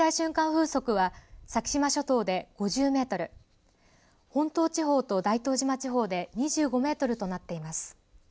風速は先島諸島で５０メートル本島地方と大東島地方で２５メートルとなっています。